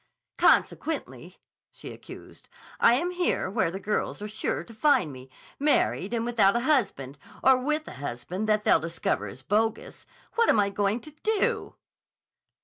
"Consequently," she accused, "I am here where the girls are sure to find me, married and without a husband, or with a husband that they'll discover is bogus. What am I going to do?"